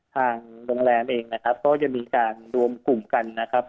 ทางโรงแรมเองนะครับก็จะมีการรวมกลุ่มกันนะครับ